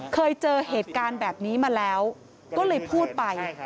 เคยเจอเหตุการณ์แบบนี้มาแล้วก็เลยพูดไป